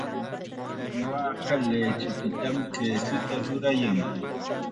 Waaka lichipitam kisuta rurayan.